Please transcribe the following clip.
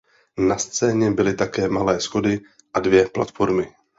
Na scéně byly také malé schody a dvě platformy.